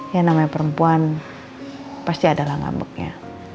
yang namanya perempuan pasti adalah ngambeknya